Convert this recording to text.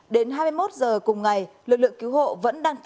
đến hai mươi một h cùng ngày lực lượng cứu hộ vẫn đang trở lại